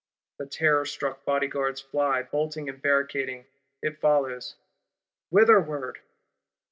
The terrorstruck Bodyguards fly, bolting and barricading; it follows. Whitherward?